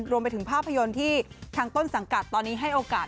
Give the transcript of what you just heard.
รวมไปถึงภาพยนตร์ที่ทางต้นสังกัดตอนนี้ให้โอกาส